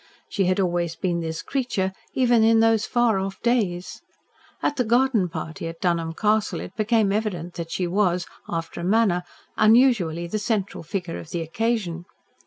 She had always been this creature even in those far off days. At the garden party at Dunholm Castle it became evident that she was, after a manner, unusually the central figure of the occasion.